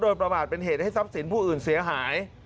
โดยประมาทเป็นเหตุให้ทรัพย์สินผู้อื่นเสียหาย